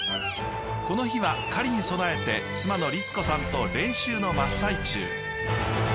この日は狩りに備えて妻の律子さんと練習の真っ最中。